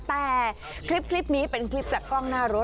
แต่คลิปนี้เป็นคลิปจากกล้องหน้ารถ